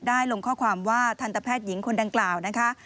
ลงข้อความว่าทันตแพทย์หญิงคนดังกล่าวนะคะ